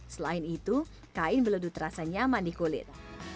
selain itu kain beledu terasa nyaman di kulit